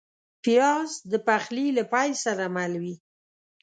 پیاز د پخلي له پیل سره مل وي